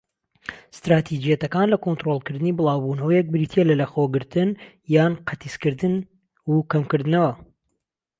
ستراتیجیەتەکان لە کۆنترۆڵکردنی بڵاوبوونەوەیەک بریتیە لە لەخۆگرتن یان قەتیسکردن، و کەمکردنەوە.